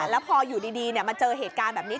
แล้วพออยู่ดีมาเจอเหตุการณ์แบบนี้